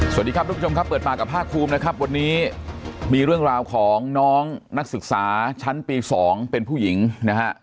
สวัสดีครับทุกผู้ชมครับเปิดปากกับภาคภูมินะครับวันนี้มีเรื่องราวของน้องนักศึกษาชั้นปี๒เป็นผู้หญิงนะฮะ